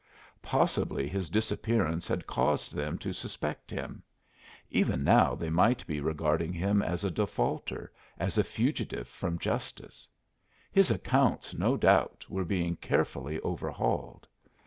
Possibly his disappearance had caused them to suspect him; even now they might be regarding him as a defaulter, as a fugitive from justice. His accounts, no doubt, were being carefully overhauled.